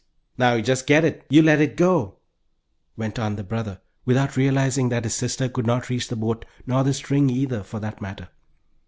"Now you just get it! You let it go," went on the brother, without realizing that his sister could not reach the boat, nor the string either, for that matter.